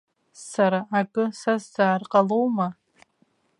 Сара акы сазҵаар ҟалома?